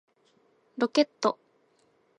ロケット